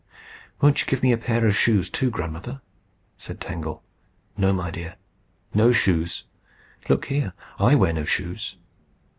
"Won't you give me a pair of shoes too, Grandmother?" said Tangle. "No, my dear; no shoes. Look here. I wear no shoes."